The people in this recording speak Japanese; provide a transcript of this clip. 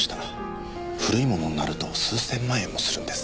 古いものになると数千万円もするんです。